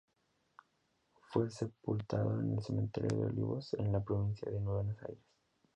Fue sepultado en el cementerio de Olivos, en la provincia de Buenos Aires.